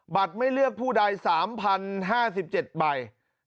ไม่เลือกผู้ใด๓๐๕๗ใบ